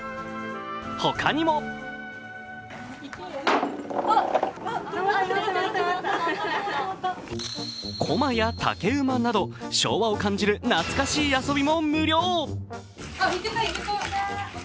他にもこまや竹馬など昭和を感じる懐かしい遊びも無料。